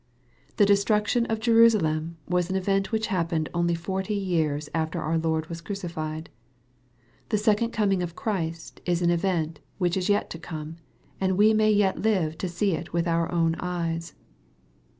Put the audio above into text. The destruction of Jerusalem was an event which happened only forty years after our Lord was crucified. The second coming of Christ is an event which is yet to come, and we may yet live to see it with our own eyes.